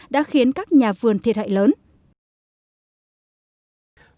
đã khiến các nhà vườn thiệt hại lớn